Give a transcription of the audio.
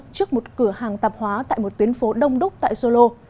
trước một cửa hàng tạp hóa tại một tuyến phố đông đúc tại solo